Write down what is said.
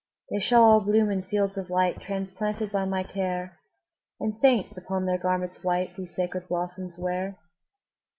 ``They shall all bloom in fields of light, Transplanted by my care, And saints, upon their garments white, These sacred blossoms wear.''